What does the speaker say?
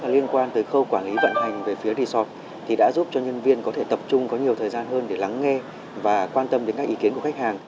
liên quan tới khâu quản lý vận hành về phía resort thì đã giúp cho nhân viên có thể tập trung có nhiều thời gian hơn để lắng nghe và quan tâm đến các ý kiến của khách hàng